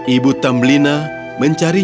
ibu tambelina mencari teman